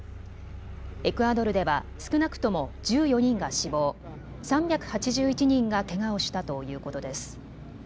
エクアドルでは少なくとも１４人が死亡、３８１人がけがをしたということです。